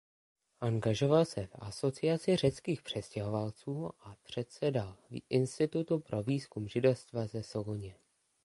Angažoval se v "Asociaci řeckých přistěhovalců" a předsedal "Institutu pro výzkum Židovstva ze Soluně".